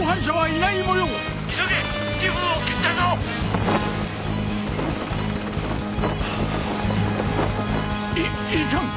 いいかん。